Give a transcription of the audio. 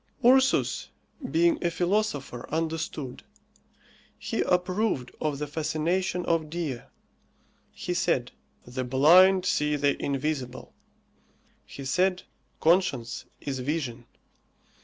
Ursus being a philosopher understood. He approved of the fascination of Dea. He said, The blind see the invisible. He said, Conscience is vision.